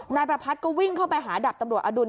นายประพัทธก็วิ่งเข้าไปหาดับตำรวจอดุล